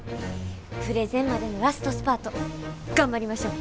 プレゼンまでのラストスパート頑張りましょう！